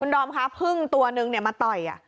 ดอมค่ะพึ่งตัวนึงมาต่อย